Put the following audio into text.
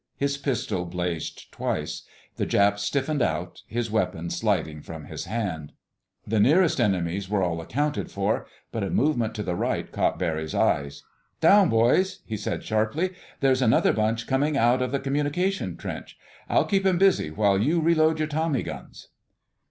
His pistol blazed twice. The Jap stiffened out, his weapon sliding from his hand. The nearest enemies were all accounted for, but a movement to the right caught Barry's eye. "Down, boys!" he said sharply. "There's another bunch coming out of the communication trench. I'll keep 'em busy while you reload your tommy guns."